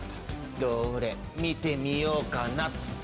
どれ見てみようかなと。